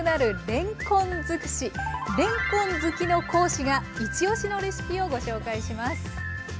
れんこん好きの講師がイチおしのレシピをご紹介します。